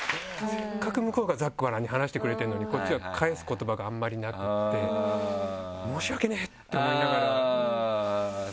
せっかく向こうがざっくばらんに話してくれてるのにこっちは返す言葉があんまりなくて申し訳ねえって思いながら。